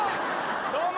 どうも。